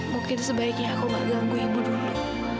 mungkin sebaiknya aku tidak mengganggu ibu dulu